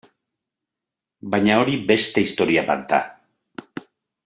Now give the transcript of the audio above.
Baina hori beste historia bat da.